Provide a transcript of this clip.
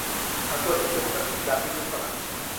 Antonio accetta in cambio di un palazzo.